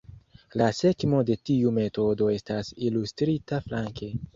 La skemo de tiu metodo estas ilustrita flanke.